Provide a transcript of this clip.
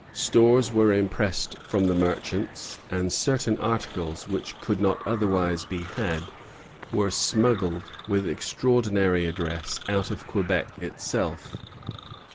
Stores were impressed from the merchants; and certain articles, which could not otherwise be had, were smuggled, with extraordinary address, out of Quebec itself.